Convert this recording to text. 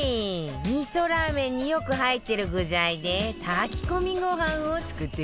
味噌ラーメンによく入ってる具材で炊き込みご飯を作っていくわよ